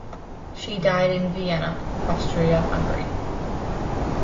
She died in Vienna, Austria-Hungary.